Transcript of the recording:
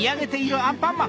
アンパンマン